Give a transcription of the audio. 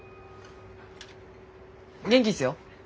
元気っすよ。